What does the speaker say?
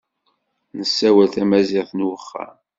Nessawal tamaziɣt n uxxam.